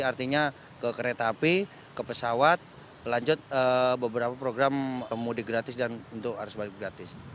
artinya ke kereta api ke pesawat lanjut beberapa program mudik gratis dan untuk arus balik gratis